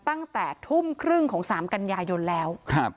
ตั้งแต่ทุ่มครึ่งของสามกันยายนแล้วครับ